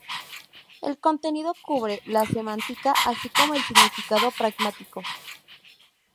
El contenido cubre la semántica, así como el significado pragmático.